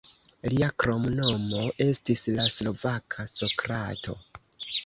Lia kromnomo estis "la slovaka Sokrato".